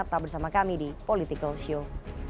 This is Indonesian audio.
tetap bersama kami di politikalshow